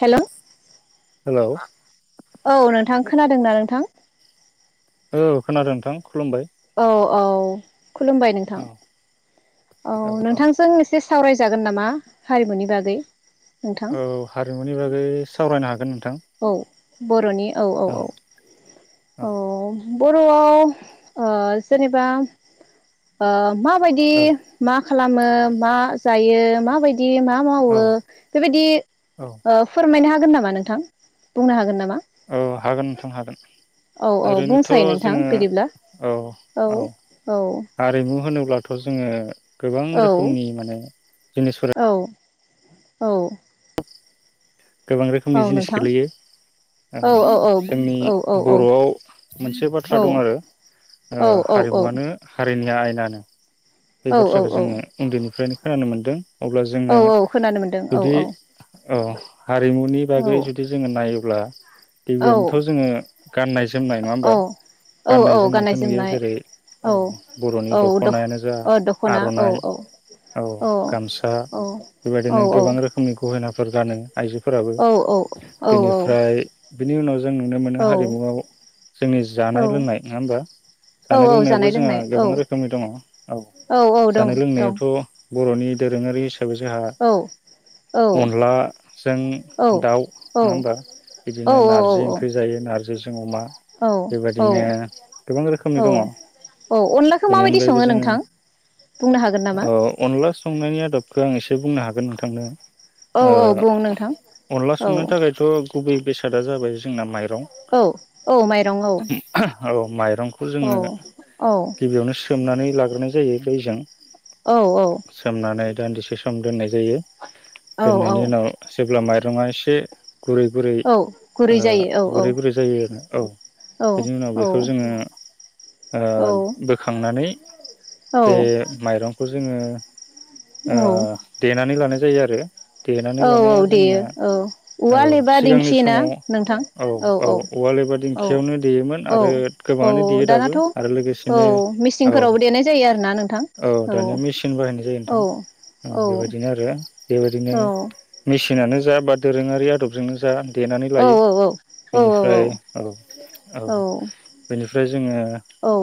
Hello hello औ नोंथां खोनादोंना नोंथां औ खोनादों नोंथां खुलुमबाय औ औ खुलुमबाय नोंथां औ औ नोंथांजों एसे सावरायजागोन नामा हारिमुनि बागै नोंथां औ हारिमुनि बागै सावरायनो हागोन औ बर'नि औ औ औ औ बरआव ओ जेनेबा ओ माबायदि औ मा मा खालामो मा जायो मा बायदि माबायदि मा औ मावो बेबायदि औ ओ फोरमायना हो हागोन नामा नोंथां बुंनो हागोन नामा ओव हागोन नोंथां हागोन औ औ ओरैनोथ बुंसाय नोंथां जोङो बिदिब्ला औ औ औ हारिमु होनोब्ला अब्लाथ जोङो गोबां औ रोखोमनि मोनो औ औ गोबां औ रोखोमनि जिनिस नोंथां गोलैयो ओ औ औ औ जोंनि औ बरआव मोनसे बाथ्रा दं आरो ओ हारिमुवानो जोंनि आयनानो। बे औ बाथ्राखो जोङो उन्दैनिफ्रायनो खोनानो मोन्दों अब्ला औ जोङो औ खोनानो मोनदों औ जुदि औ हारिमुनि औ बागै जुदि जोङो नाय नायोब्ला औ गिबियावनोथ जोङो गाननाय जोमनाय नङा औ होमबा औ औ गाननाय जोमनायखौ नुयो जोमनाय जेरै औ बरनि औ द दखनायानो जा औ दख'ना औ आरनाइ औ औ गामसा औ औ बेबायदिनो गोबां रोखोमनि गहेना फोर गानो आइजोफोराबो औ बेनिफ्राय बिनि उनाव जों नुनो मोनो औ हारिमुआव जोंनि औ जानाय लोंनाय नङा होमबा औ जानाय औ लोंनायावबो जोंहा लोंनाय औ गोबां रोखोमनि दङ औ औ औ दं जानाय दं लोंनायावथ बरनि दोरोंङारि जोंहा औ औ अनला जों औ दाउ औ नङा होमबा बिदिनो औ नारजि ओंख्रि जायो ना [unintelligible] जों अमा औ बेबायदिनो गोबां औ रोखोमनि दङ अनलाखौ बेनि माबायदि अनगायैबो सङो जोङो नोंथां बुंनो हागोन नामा ओ अनला संनायनि आदबखौ आं एसे बुंनो हागोन नोंथांनो औ ओ औ बु अनला संनो थाखायथ गुबै बेसादा जाबाय जोंना माइ औ औ माइरं औ औ माइ रंखौ औ जोङो औ गिबियावनो सोमनानै लाग्रोनाय जायो दैजों सोमनानै दान्दिसे सम दोननाय जायो औ औ दोननायनि उनाव जेब्ला माइरंङा एसे गुरै गुरै औ गुरै ओ जायो औ गुरै गुरै जायो औ औ बिनि उनाव औ बेखौ जोङो ओ औ बोखांनानै बे औ माइरंखौ जोङो ओ औ देनानै लानाय जायो आरो। देनानै औ ला [unintelligible] औ जोंनिया देयो औ औ उवाल एबा सिगांनि दिंखि ना समाव नोंथां औ औ उवाल एबा औ दिंखियावनो देयोमोन औ आरो औ गोबांङानो देयो दाबो दानाथ' आरो औ लोगोसेनो औ मिसिंफोरावबो देनाय जायो आरोना नोंथां औ दानिया मेसिन बाहायनाय जायो नोंथां औ बेबायदिनो आरो। बेबादिनो औ मिसिनानो जा बा दोरोङारि आदबजोंनो जा देनानै औ लायो औ बेनिफ्राय औ औ बेनिफ्राय जोङो औ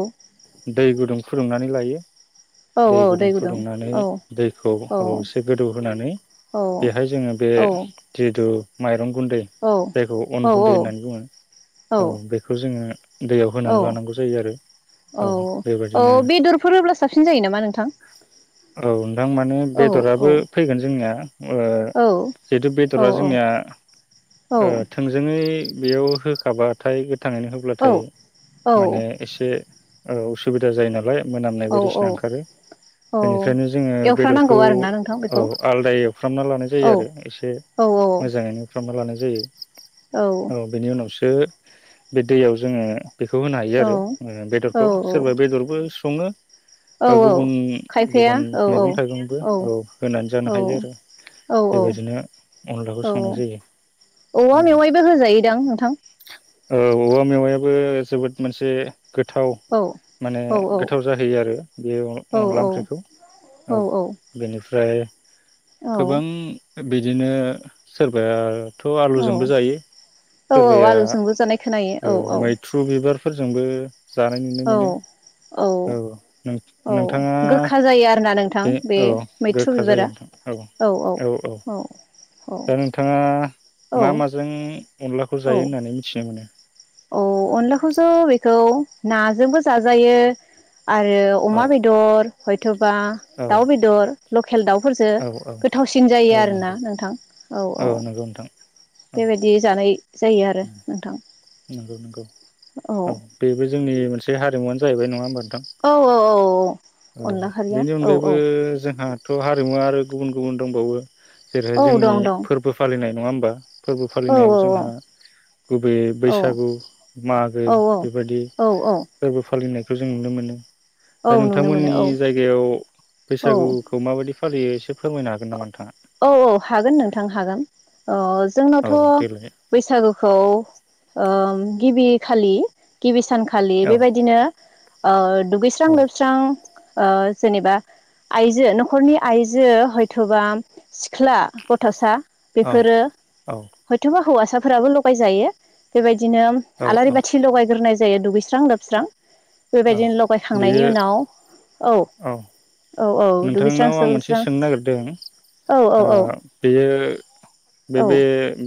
दै गुदुं फुदुंनानै लायो औ दै औ गुदुं फुदुंनानै औ दैखौ औ एसे गोदौ होनानै औ बे बेहाय जोङो बे औ जिहेथु माइरं गुन्दै जायखौ औ अन गुन्दै होननानै बुङो औ बेखौ जोङो दैयाव औ होनानै लानांगौ जायो आरो औ औ बेबायाददिनो बेदरफोर होब्ला साबसिन जायो नामा नोंथां औ। थां माने औ बेदराबो औ फैगोन जोंनिया ओ। औ जिहेथु औ बेदरा जोंनिया औ ओ थोंजोङै बेयाव होखाबाथाय थांनानै होब्लाथाय औ माने एसे औ असुबिदा जायो नालाय मोनामनाय औ बायदिसिना ओंखारो औ बेनिखायनो जोङो बेदरखौ एवफ्रानांगौ आरोना नोंथां औ बेखौ आलदा एवफ्रामना लानाय औ जायो आरो एसे औ मोजाङैनो खालामना लानाय जायो। औ बेनि उनावसो बे दैयाव जोङो बेखौ होनो हायो आरो औ बेदरखौ सोरबा बेदरबो सङो औ बा औ गुबुन खायफाया गुबुन औ औ मैगं थाइगंबो औ होनानै जानो हायो आरो। औ औ बेबायदिनो अनलाखौ औ संनाय जायो औवा औ मेवाइबो होजायोदां नोंथां। औ औवा मेवायाबो जोबोद मोनसे गोथाव औ माने औ औ गोथाव जाहैयो आरो बे औ अनला ओंख्रिखौ औ बेनिफ्राय फ्राय औ गोबां बिदिनो सोरबाया - थ' औ आलुजोंबो जायो औ औ सोरबाया आलुजोंबो जानाय औ खोनायो मैथ्रु बिबार फोरजोंबो औ औ औ नोंथाङा गोखा जायो आरोना नोंथ थां बे औ मैथ्रु गोखा जायो बिबारा नोंथां औ औ औ औ दा नोंथाङा औ मा माजों अनलाखौ जायो होननानै मिथिनो मोनो? अ अनलाखौस' बेखौ नाजोंबो जाजायो आरो औ अमा बेदर हयथ' बा औ दाउ बेदर लख खेल दावफोरजों औ गोथावसिन जायो औ आरोना नंगौ नोंथां औ औ नंगौ नोंथां औ बेबायदि जानाय जायो आरो नोंथां नंगौ नंगौ औ बेबो जोंनि मोनस [unintelligible] हारिमुआाहैबाय नङा होनोमबा औ औ औ औ अनला खारिया बेनि औ औ अनगायैबो जोंहा थ' हारिमुवा आरो गुबुन गुबुन दंबावो जेरैहाय औ जोंनि दं दं फोरबो फालिनाय। नङा होमबा फोरबो औ फालिनायाव जोंहा गुबै औ बैस उ मागो औ बेबायदि औ औ फोरबोफो फालिनायखौ जों नुनो मोनो। औ दा नुनो मोनो नोंथांमोननि औ जायगायाव औ बैसागुखौ माबायदि फ फालियो सोब औ औ हागोन नोंथां हागोन अ औ जोंनावथ' देलाय बैसागुखौ ओ ओम गिबि खालि गिबि सान खालि औ बेबायदिनो ओ दुगैस्रां औ लोबस्रां ओ जेनेबा आइजो न'खरनि आइजो हय थ'बा सिख्ला गथ'सा औ बेफोरो औ हयथ'बा हौवा साफोराबो लगायजायो बेबाय दिनो औ आलारि औ बाथि लगायग्रोनाय जायो दुगैस्रां लोबस्रां । औ बेबायदिनो लगायखांनायनि बेयो उनाव औ । औ औ । दुगैस्रां सौैस्रां दों ओ बेयो बे औ बे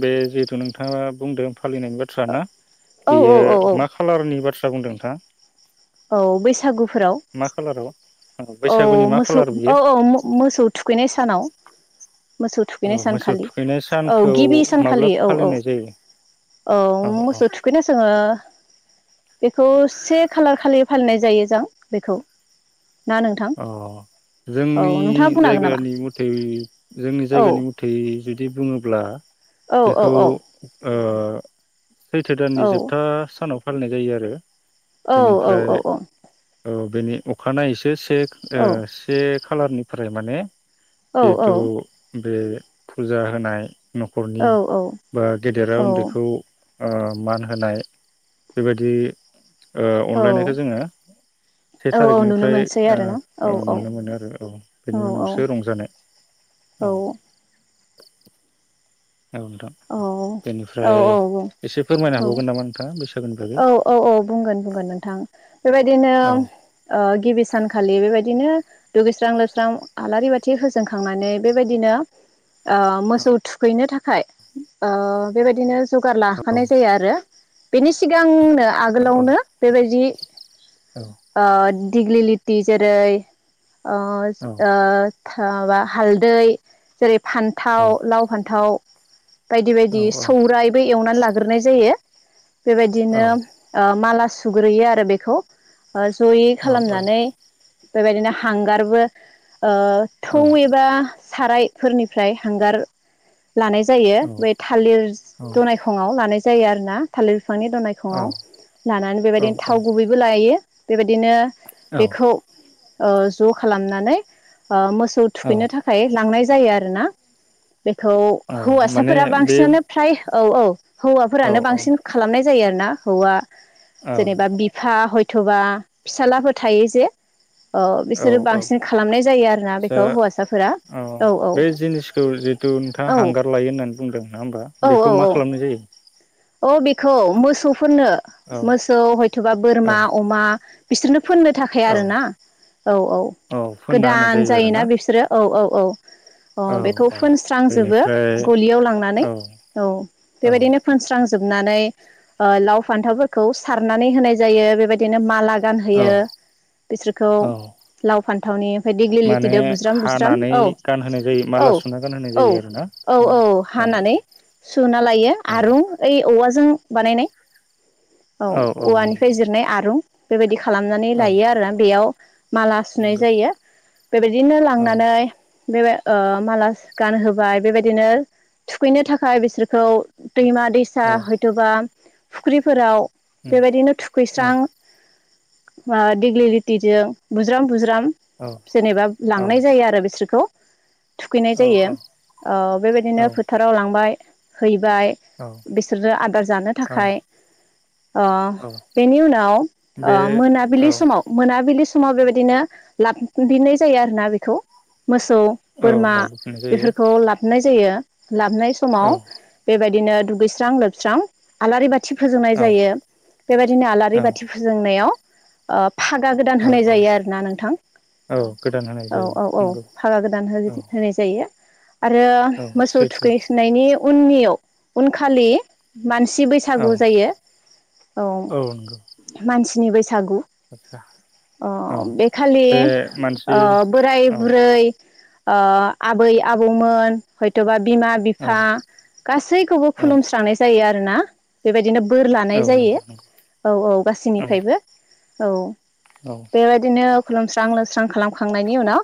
बे जि नोंथाङा बुंदो फालिनायनि बाथ्रा ना औ औ बेयो औ मा खालारनि बाथ्र आ बुंदों नोंथाङा? औ बैसागुफोराव मा खालाराव औ बैसागुनि मा मो सो खालार बियो औ औ म-मोसौ थुखैनाय सानाव । मोसौ औ थुखैनाय मोसौ सानखालि थुखैनाय औ सानखौ गिबि माब्ला सानखालि औ औ फालिनाय जायो औ मोसौ थुखैनो जोङो बेखौ से खालार खालि फालिनाय जायो जों बेखौ ना नोंथां अ औ जोंनि नोंथाङा बुंनो हागोन नामा जायगानि मथै जोंनि औ जायगानि मथै जुदि बुङोब्ला औ औ बेखौ औ ओ [inaudible] सैथो दाननि औ जोबथा सानाव फालिनाय जायो आरो औ औ बेनिफ्राय औ औ । औ बेनि अखानायैसो सिख सेख ओ से खालारनिफ्राय माने जेथु बे फुजा होनाय न'खरनि बा गेदेरा औ उन्दैखौ आ मान होनाय बेबायदि ओ अनलायनायखौ औ जोङो से औ औ नुनो थारिखनिफ्राय मोनसै आरोना औ ओ औ नुनो मोनो आरो औ औ बेनि उनावसो रंजानाय औ । औ नोथा औ बेनिफ्राय एसे फोरमायनो हाबावगोन नामा नोंथाङा बे औ औ औ बुंगोन बुंगोन नोंथां बेबायदिनो औ ओ गिबि सानखालि बेबायदिनो दुगैस्रां लोबस्रां आलारि बाथि होजोंखांनानै बेबायदिनो आ औ मोसौ थुखैनो थाखाय आ बेबायदिनो जौगार लाखानाय जायो आरो बेनि सिगांनो औ औ आगोलावनो बेबायदि औ ओ दिगलि लिथि जेरै अ ओ खो माबा हालदै जेरै औ फान्थाव लाव फान्थाव बायदि बायदि सौरायबो एवनानै ला ग्रोनाय जायो औ बेबायदिनो ओ माला सुग्रोयो आरो बेखौ ओ जयै औ खालामनानै बेबायदिनो हांगारबो ओ थुं एबा सारायफोरनिफ्राय हांगार लानाय जायो बै थालिर दनायखंआव लानाय जायो आरो ना थालिर बिफांनि दनायखङाव लानानै बेबायदिनो थाव औ गुबैबो लायो। बेबाय दिनो औ बेखौ ओ ज खालामनानै ओ मोसौ औ थुखैनो थाखाय लांनाय जायो आरोना बेखौ औ माने हौवासाफोरा बे बांसिनानो फ्राय औ औ औ हौवाफोरानो औ बांसिन खालामनाय जायो आरो ना हौवा जेनेबा बिफा हय थुबा फिसालाबो थायो जे ओ औ बिसोरो औ बांसिन खालामनाय जायो आरोना सो बेखौ हौवासाफोरा औ बे जिनिसखौ जिथु नोंथाङा औ हांगार लायो होननानै बुंदों नङा होमबा बेखौ मा खालामनाय जायो अ बेखौ मोसौ फोनो औ मोसौ हयथबा औ बोरमा अमा बिसोरनो फोननो थाखाय औ आरोना औ औ फोनना होनाय गोदान जायो जायोना आरोना बिसोरो औ औ औ अ औ बेखौ औ फोनस्रांजोबो बेनिफ्राय गलियाव लांनानै औ औ औ बेबायदिनो फोनस्रां जोबनानै ओ लाव फान्थावफोरखौ सारनानै होनाय जायो बेबायदिनो माला गानहोयो औ बिसोरखौ औ लाव फान्थावनि ओमफ्राय दिग्लि माने लिथिदो बुज्राम बुज्राम हानानै औ गानहोनाय जायो औ माला सुना गानहोनाय औ जायो आरोना औ औ हानानै सुना लायो आरुं ओइ औवाजों बानायनाय औ औवानिफ्राय जिरनाय आरुं बेबायदि खा खालामनानै औ लायो आरो बेयाव माला सुनाय नंगौ जायो बेबायदिनो औ लांनानै बे ओ माला गानहोबाय बेबायदिनो थुखैनो थाखाय बिसोरखौ दैमा सा नंगौ औ हयथ'बा फुख्रिफोराव उम बेबायदिनो औ थुखैस्रां उम दिग्लिलितिजों बुज्राम बुज औ [unintelligible] जेनेबा औ लांनाय जायो आरो बिसोरखौ थुखैनाय जायो ओ बेबायदिनो फोथाराव लांबाय है बाय औ बिसोरनो आदार जानो थाखाय ओ औ बेनि उनाव ओ बे मोनाबिलि औ समाव मोनाबिलि स समाव बेबायदिनो लाबो फिन्नाय जायो आरोना बेखौ मोसौ, औ बोरमा लाबोफिननाय जायो बेफोरखौ लाबोनाय जायो लाबोनाय समाव औ बेबाय दिनो [unintelligible] दुस्रां लोबस्रां आलारि बा थि फोजोंनाय औ जायो बेबायदिनो आलारि औ बाथि फोजोंनायाव ओ फागा गोदान होनाय औ औ जायो आरोना नोंथां। औ गोदान होनाय औ जायो औ औ नंगौ फागा गोदान हो औ होनाय जायो। आरो औ मोसौ सैथो थुखैसोनायनि उननियाव खालि मानसि औ बैसागु जायो, औ मानसि नि बै सागु आदसा ओ औ बे खालि बे ओ मानसि बोराय औ बुरै ओ आबै आबौमोन हयथ'बा बिमा औ बिफा गासैखौबो औ खुलुमस्रांनाय जायो। यो आरोना बेबायदिनो। बोर लानाय औ जायो नंगौ औ औ नंगौ गासैनिफ्रायबो। औ। औ बेबायदिनो खुलुमस्रां लोंस्रां खालामखांनायनि उनाव,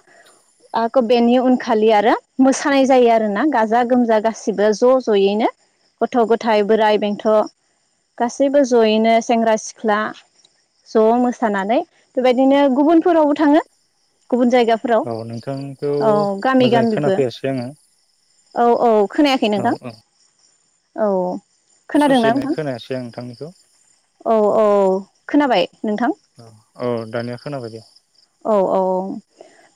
आक' बेनि उनखालि आरो, मोसानाय जायो आरोना गाजा गोमजा गासिबो ज' ज'यैनो। गथ' गथाय बोराइ बेंथ' गासैबो ज'यैनो सेंग्रा सिख्ला ज' मोसानानै बेबायदिनो गुबुनफोरावबो थाङो गुबुन जायगाफोराव औ नोंथांखौ औ गामि मोजाङै गामिबो खोनाफैयासै आङो। औ औ। खोनायाखै नोंथां? औ। बे खोनादोंना ससेनो नोंथां खोनायासै आं नोंथांनिखौ। औ औ खोनाबाय नोंथां? औ औ दानिया खोनाबायदे। औ औ औ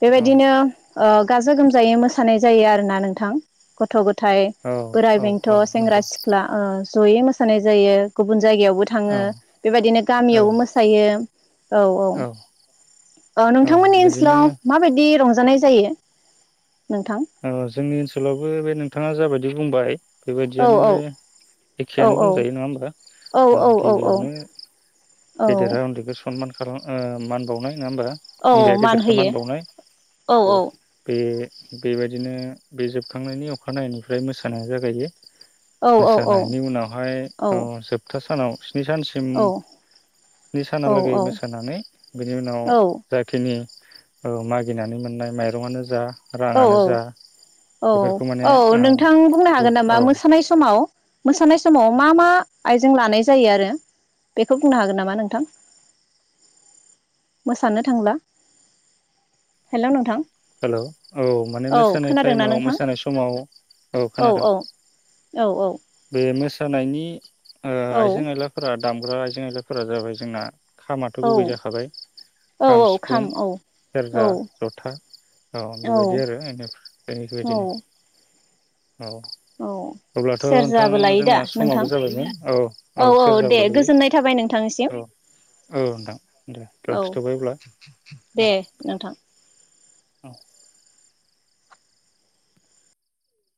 बेबायदिनो ओ गाजा गोमजायै मोसानाय जायो आरोना नोंथां, गथ' गथ थाय औ बोराइ औ बेंथ' औ सेंग्रा नंगौ सिख्ला ओ ज'यै मोसानाय जायो गुबुन जायगायावबो थाङो, औ बेबायदिनो औ गामियावबो मोसायो। औ औ। औ नोंथांमोननि बिदिनो ओनसोलाव माबायदि रं रंजानाय जायो नोंथां अ जोंनि ओनसोलावबो बे नोंथाङा जाबायदि दि बुंबाय बे औ बायदियानो औ औ एखेयानो औ बुंजायो नंङा होमबा? औ ओ औ औ गिबियावनो औ गेदेरा उन्दैखौ स सनमान खालाम ओ मान बावनाय नोंङा होमबा? औ उन्दैया मान गेदेरखौ होयो मानबावनाय औ बे बे बायदिनो बे जोबखांनायनि अखानायै निफ्राय मोसानाया जागायो। औ औ औ मोसानायनि उनावहाय अ जोबथा सानाव स्नि सानसिम स्नि सानालागै औ मोसानानै बिनि उनाव जाखिनि ओ मागिनानै मोननाय माइरंआनो जा औ राङानो औ जा औऔ बेफोरखौ माने औ नोंथां बुंनो ओ हागोन नामा औ मोसानाय समाव मोसानाय समाव मा मा आइजें लानाय जायो आरो बेखौ बुंनो हागोन नामा नोंथां? मोसानो थांब्ला हेलोव नोंथां? हेलोव औ माने औ मोसानाय खोनादोंना टाइमाव नोंथां मोसानाय समाव औ खोनादों औ बे मोसानायनि ओ औ आइजें आयलाफोरा दामग्रा आइजें आइजाफोरा जाबाय जोंना खामाथ' औ गुबै जाखाबाय औ खा, औ सिफुं, खाम औ औ सेरजा, जथा औ औ बेबायदि आरो एनिफ्राय औ इफोरबायदिनो औ सेरजा ओम जोंना समाबो जाबायमोन औ औ सेरजाबो दे लायो, गोजोननाय थाबाय नोंथांनिसिम औ औ नोंथां दे औ लाखिथ'बाय अब्ला दे औ। नोंथां औ